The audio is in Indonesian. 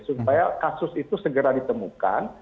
supaya kasus itu segera ditemukan